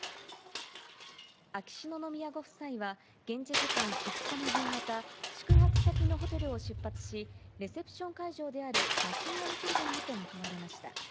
秋篠宮ご夫妻は現地時間５日の夕方、宿泊先のホテルを出発し、レセプション会場であるバッキンガム宮殿へと向かわれました。